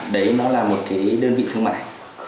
đấy nó là một cái đơn vị thương mại